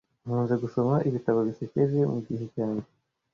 Nkunze gusoma ibitabo bisekeje mugihe cyanjye